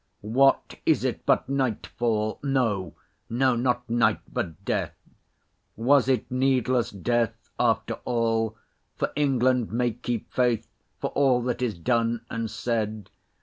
What is it but nightfall? No, no, not night but death. Was it needless death after all? For England may keep faith For all that is done and said.